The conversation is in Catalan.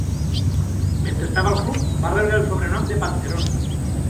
Mentre estava al club, va rebre el sobrenom de "Panteron".